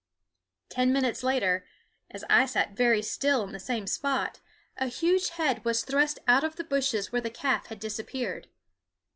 Ten minutes later, as I sat very still in the same spot, a huge head was thrust out of the bushes where the calf had disappeared.